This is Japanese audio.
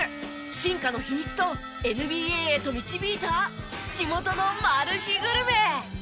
進化の秘密とＮＢＡへと導いた地元のマル秘グルメ。